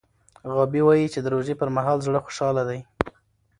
غابي وايي چې د روژې پر مهال زړه خوشحاله دی.